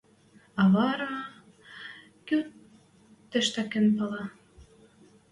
А вара... Кӱ тӹштӓкен пӓлӓ?